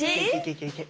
いけいけ！